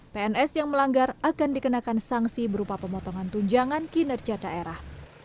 pns yang melanggar akan dikenakan sanksi berupa pemotongan tunjangan kinerja daerah